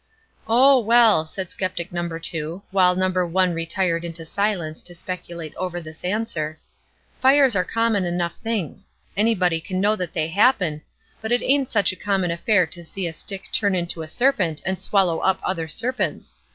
"Oh, well," said skeptic number two, while number one retired into silence to speculate over this answer, "fires are common enough things; anybody can know that they happen; but it ain't such a common affair to see a stick turn into a serpent and swallow up other serpents.